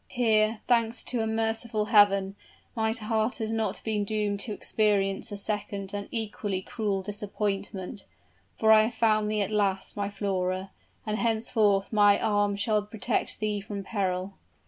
Here, thanks to a merciful Heaven, my heart has not been doomed to experience a second and equally cruel disappointment; for I have found thee at last, my Flora and henceforth my arm shall protect thee from peril."